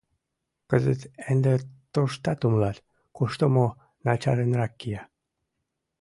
Кызыт ынде туштат умылат, кушто мо начарынрак кия.